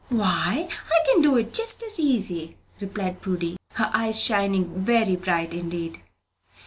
Why, I can do it just as easy!" replied Prudy, her eyes shining very bright indeed.